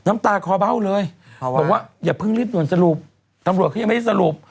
บอกว่าอย่าเพิ่งรีบหน่วนสรุปตำรวจเขายังไม่สรุป